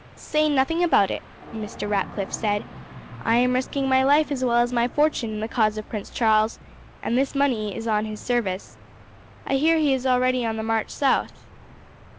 "Say nothing about it," Mr. Ratcliff said. "I am risking my life as well as my fortune in the cause of Prince Charles, and this money is on his service. I hear he is already on the march south.